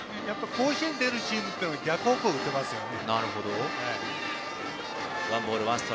甲子園出るチームは逆方向に打てますよね。